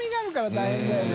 大変だよね。